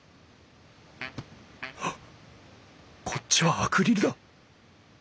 ハッこっちはアクリルだ！